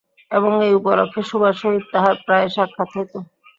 এবং এই উপলক্ষে সুভার সহিত তাহার প্রায় সাক্ষাৎ হইত।